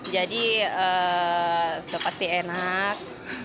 jadi sudah pasti enak